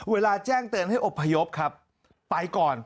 แจ้งเตือนให้อบพยพครับไปก่อน